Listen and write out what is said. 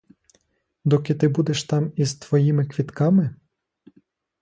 Доки ти будеш там із твоїми квітками?